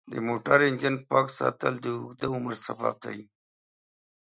د موټر انجن پاک ساتل د اوږده عمر سبب دی.